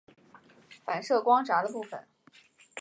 反射光栅的部分。